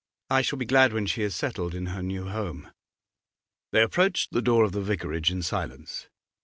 I shall be glad when she is settled in her new home.' They approached the door of the vicarage in silence.